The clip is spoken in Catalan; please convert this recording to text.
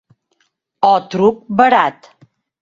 O truc barat.